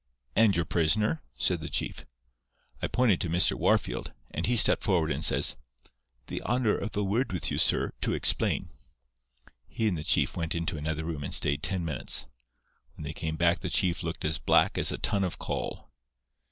"'And your prisoner?' said the chief. "I pointed to Mr. Wahrfield, and he stepped forward and says: "'The honour of a word with you, sir, to explain.' "He and the chief went into another room and stayed ten minutes. When they came back the chief looked as black as a ton of coal.